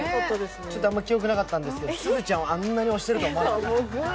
ちょっとあんま記憶になかったんですけど、すずちゃん、あんなに押してるとは思わなかった。